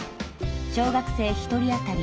小学生１人あたり